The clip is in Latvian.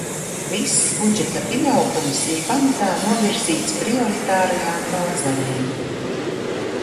Viss budžeta pieaugums ir pamatā novirzīts prioritārajām nozarēm.